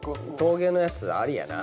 陶芸のやつありやな。